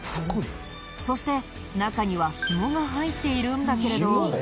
そして中にはひもが入っているんだけれど。